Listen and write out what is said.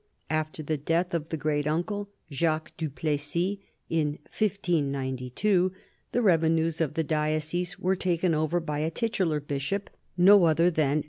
After the death of the great uncle, Jacques du Plessis, in 1592, the revenues of the diocese were taken over by a titular bishop— no other than M.